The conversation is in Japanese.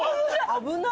危ない。